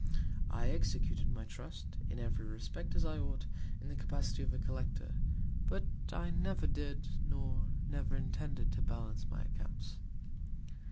I executed my Trust, in every Respect, as I ought, in the Capacity of a Collector; but I never did, nor never intended to balance my Accounts.